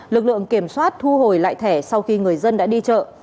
lực lượng kiểm soát thu hồi lại thẻ sau khi người dân đã đi chợ